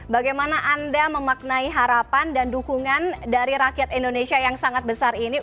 bagaimana anda memaknai harapan dan dukungan dari rakyat indonesia yang sangat besar ini